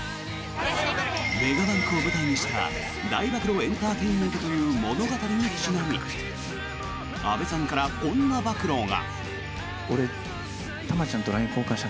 メガバンクを舞台にした大暴露エンターテインメントという物語にちなみ阿部さんから、こんな暴露が。